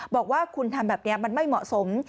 บอกว่าคุณทำแบบนี้มันไม่เหมาะสม